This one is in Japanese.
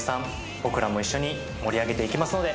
僕らも一緒に盛り上げていきますので。